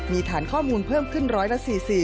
มีฐานข้อมูลเพิ่มขึ้น๑๔๐